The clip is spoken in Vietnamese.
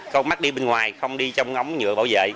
câu mắt đi bên ngoài không đi trong ngóng nhựa bảo vệ